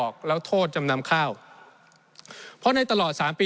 ในช่วงที่สุดในรอบ๑๖ปี